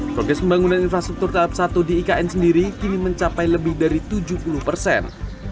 progres pembangunan infrastruktur tahap satu di ikn sendiri kini mencapai lebih dari tujuh puluh persen